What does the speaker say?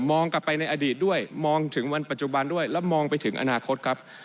กลับไปในอดีตด้วยมองถึงวันปัจจุบันด้วยแล้วมองไปถึงอนาคตครับ